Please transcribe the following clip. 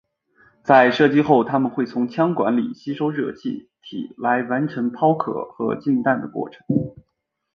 在射击后它们会从枪管里吸收热气体来完成抛壳和进弹的过程。